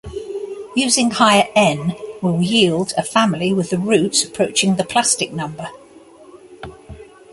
Using higher "n" will yield a family with a root approaching the plastic number.